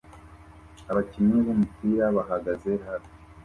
abakinnyi b'umupira bahagaze hafi